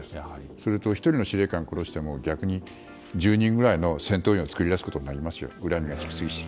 それと、１人の司令官を殺しても１０人ぐらいの戦闘員を作り出すことになりますよ。